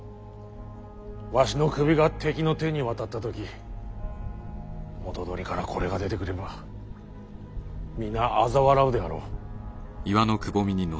わしの首が敵の手に渡った時髻からこれが出てくれば皆あざ笑うであろう。